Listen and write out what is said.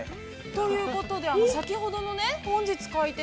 ◆ということで、先ほどの「本日開店！！